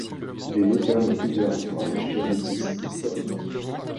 Il est l'auteur de plusieurs ouvrages et notices historiques.